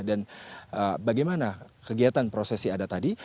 dan bagaimana kegiatan prosesi ada tadi